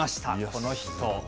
この人。